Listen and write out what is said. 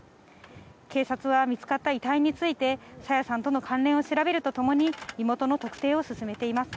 警察は見つかった遺体について、朝芽さんとの関連を調べるとともに、身元の特定を進めています。